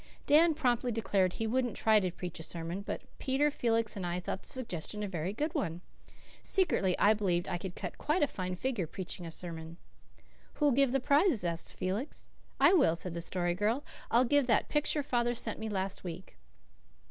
Dan promptly declared he wouldn't try to preach a sermon; but Peter, Felix and I thought the suggestion a very good one. Secretly, I believed I could cut quite a fine figure preaching a sermon. "Who'll give the prize?" asked Felix. "I will," said the Story Girl. "I'll give that picture father sent me last week."